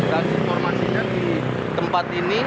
dan informasinya di tempat ini